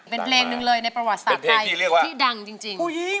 เป็นเพลงหนึ่งเลยในประวัติศาสตร์ไทยที่ดังจริง